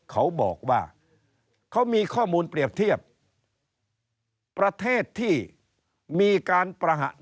เขาบอกว่าเขามีข้อมูลเปรียบเทียบประเทศที่มีการประหัส